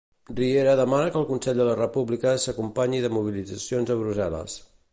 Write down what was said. Riera demana que el Consell de la República s'acompanyi de mobilitzacions a Brussel·les.